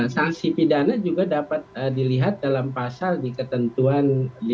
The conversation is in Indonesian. sanksi pidana juga dapat dilihat dalam pasal di ketentuan lima ratus dua puluh tiga